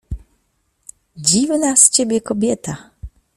— Dziwna z ciebie kobieta.